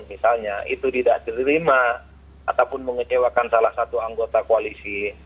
misalnya itu tidak diterima ataupun mengecewakan salah satu anggota koalisi